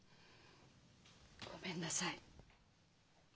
ごめんなさい。